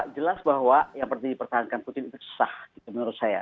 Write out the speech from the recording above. jelas bahwa yang penting dipertahankan putin itu susah menurut saya